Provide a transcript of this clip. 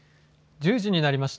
１０時になりました。